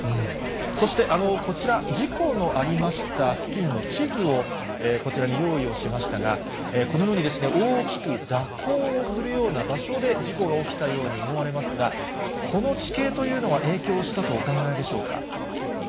そしてこちら、事故のありました付近の地図をこちらに用意をしましたが、このように大きく蛇行をするような場所で事故が起きたように思われますが、この地形というのは影響したとお考えでしょうか。